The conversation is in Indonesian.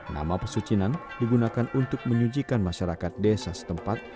nama pesucinan digunakan untuk menyujikan masyarakat desa setempat